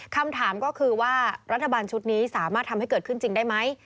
คำถามก็คือว่ารัฐบาลชุดนี้สามารถทำให้เกิดขึ้นจริงได้ไหม